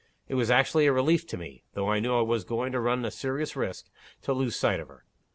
It was actually a relief to me though I knew I was going to run a serious risk to lose sight of her.